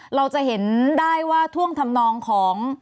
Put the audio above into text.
เราจะเห็นได้ว่าท่วงทำนองของ